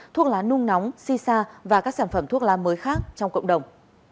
thuốc lá nung nóng xì xa và các sản phẩm thuốc lá mới khác trong cộng đồng